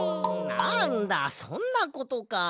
なんだそんなことか。